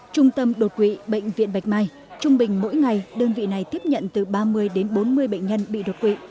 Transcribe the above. trung tâm đột quỵ bệnh viện bạch mai trung bình mỗi ngày đơn vị này tiếp nhận từ ba mươi đến bốn mươi bệnh nhân bị đột quỵ